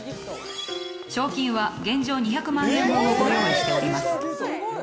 賞金は現状２００万円分をご用意しております。